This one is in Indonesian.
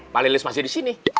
pak lilis masih disini